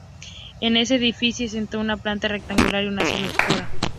Es un edificio exento con planta rectangular y una sola altura.